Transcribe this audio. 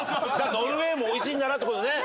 ノルウェーもおいしいんだなってことでね。